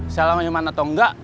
saya lemah iman atau enggak